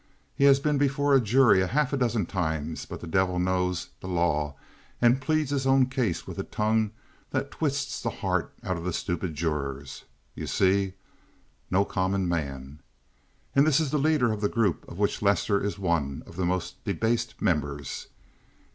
He has been before a jury half a dozen times, but the devil knows the law and pleads his own case with a tongue that twists the hearts out of the stupid jurors. You see? No common man. And this is the leader of the group of which Lester is one of the most debased members.